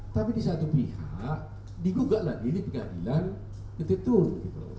tapi di satu pihak digugak lagi ini pengadilan ketentu gitu loh